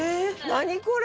何これ？